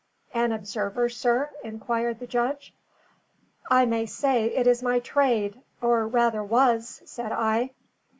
"An observer, sir?" inquired the judge. "I may say it is my trade or, rather, was," said I.